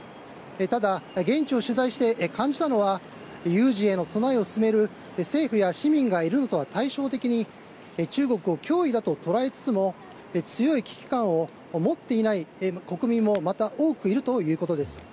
ただ、現地を取材して感じたのは有事へを備えを進む政府や市民がいるのとは対照的に中国を脅威だと捉えつつも強い危機感を持っていない国民もまた多くいるということです。